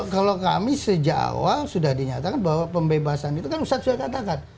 kalau kami sejak awal sudah dinyatakan bahwa pembebasan itu kan ustadz sudah katakan